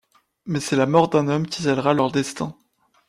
Mais c'est la mort d'un homme qui scellera leurs destins...